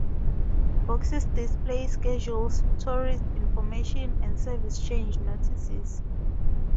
Boxes display schedules, tourist information, and service change notices.